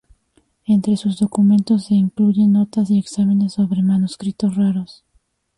Entre sus documentos se incluyen notas y exámenes sobre manuscritos raros.